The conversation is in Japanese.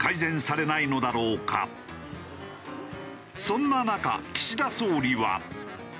そんな中岸田総理は。